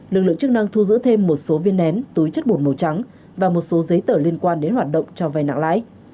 lực lượng chức năng thu giữ thêm một số viên nén túi chất bột màu trắng và một số giấy tờ liên quan đến hoạt động cho vai nặng lãi